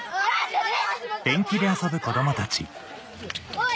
・おい！